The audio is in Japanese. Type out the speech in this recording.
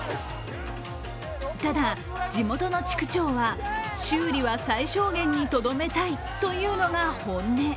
ただ、地元の地区長は修理は最小限にとどめたいというのが本音。